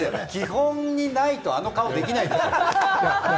基本にないと、あの顔できないですよ。